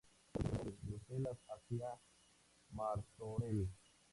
La producción se trasladó de Bruselas hacia Martorell.